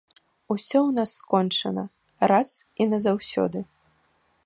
Усё ў нас скончана, раз і назаўсёды!